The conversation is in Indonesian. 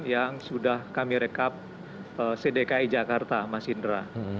yang sudah kami rekap cdki jakarta mas indra